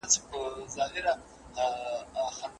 خو د کلیو په کوڅو کي سرګردان سو